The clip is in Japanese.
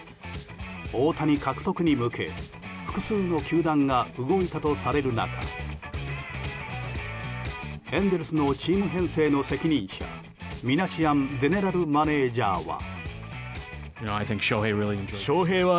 大谷獲得に向け複数の球団が動いたとされる中エンゼルスのチーム編成の責任者ミナシアンゼネラルマネジャーは。